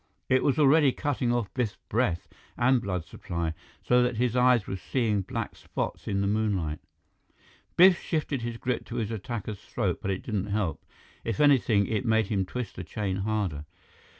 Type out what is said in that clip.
It was already cutting off Biff's breath and blood supply, so that his eyes were seeing black spots in the moonlight. Biff shifted his grip to his attacker's throat, but it didn't help. If anything, it made him twist the chain harder.